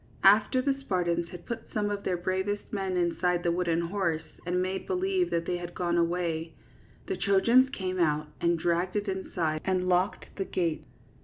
After the Spartans had put some of their bravest men inside the wooden horse and made believe that they had gone away, the Trojans came out and dragged it inside and locked the gates.